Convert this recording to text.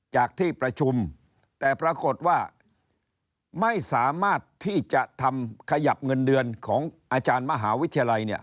จากที่ประชุมแต่ปรากฏว่าไม่สามารถที่จะทำขยับเงินเดือนของอาจารย์มหาวิทยาลัยเนี่ย